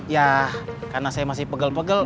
ya karena saya masih pegel pegel